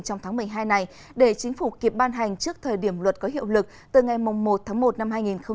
trong tháng một mươi hai này để chính phủ kịp ban hành trước thời điểm luật có hiệu lực từ ngày một tháng một năm hai nghìn hai mươi